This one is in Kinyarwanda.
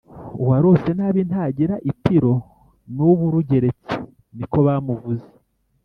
uwarose nabi ntagira itiro nubu rugeretse niko bamuvuze